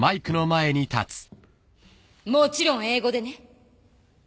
もちろん英語でね。